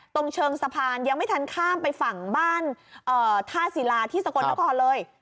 ตรงเชิงสะพานยังไม่ทันข้ามไปฝั่งบ้านท่าศิลาที่สกลนครเลย